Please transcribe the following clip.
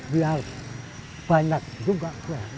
biar banyak juga